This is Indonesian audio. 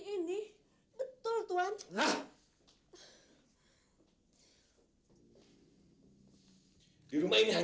baik permisi tuhan